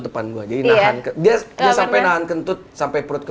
tentang masing masing keunikannya